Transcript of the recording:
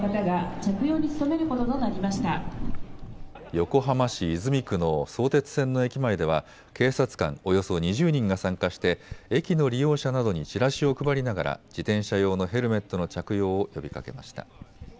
横浜市泉区の相鉄線の駅前では警察官およそ２０人が参加して駅の利用者などにチラシを配りながら自転車用のヘルメットの着用を呼びかけました。